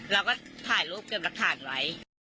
เราก็ถ่ายรูปเก็บหลักฐานไว้